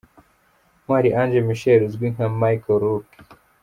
Ntwari Ange Michel uzwi nka Mike Lookee.